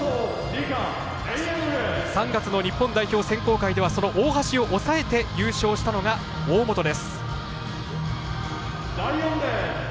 ３月の日本代表選考会では大橋を抑えて優勝したのが大本です。